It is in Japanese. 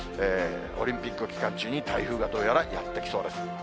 オリンピック期間中に台風がどうやらやって来そうです。